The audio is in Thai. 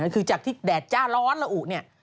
คือจากที่แดดจ้าร้อนระอุเนี่ย